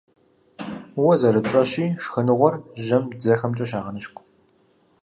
Уэ зэрыпщӀэщи, шхыныгъуэр жьэм дзэхэмкӀэ щагъэныщкӀу.